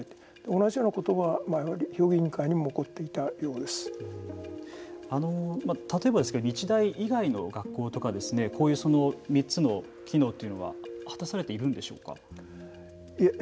同じようなことは評議員会にも例えばですけれども日大以外の学校とかこういう３つの機能というのは果たされているんでしょうか。